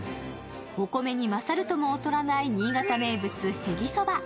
お米に勝るとも劣らない新潟名物、へぎそば。